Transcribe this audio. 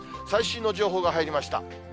最新の情報が入りました。